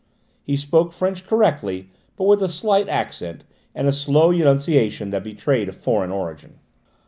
He spoke French correctly, but with a slight accent and a slow enunciation that betrayed a foreign origin.